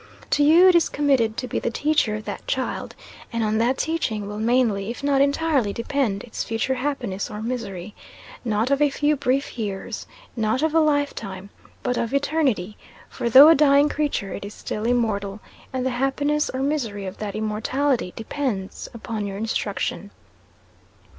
To you is it committed to be the teacher of that child; and on that teaching will mainly if not entirely depend its future happiness or misery; not of a few brief years not of a life time, but of eternity; for though a dying creature, it is still immortal, and the happiness or misery of that immortality depends upon your instruction.